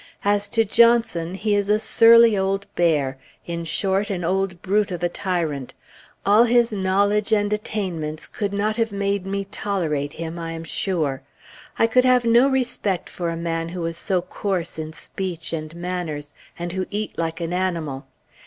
As to Johnson, he is a surly old bear; in short, an old brute of a tyrant. All his knowledge and attainments could not have made me tolerate him, I am sure. I could have no respect for a man who was so coarse in speech and manners, and who eat like an animal.